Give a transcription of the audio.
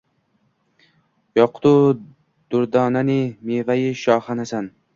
Yoqutu dardona ne, mevai shohonasan.